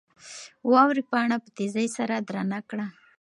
واورې پاڼه په تېزۍ سره درنه کړه.